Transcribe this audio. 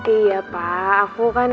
iya pa aku kan